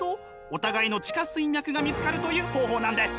お互いの地下水脈が見つかるという方法なんです。